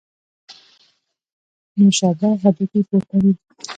نوشابه هډوکي پوکوي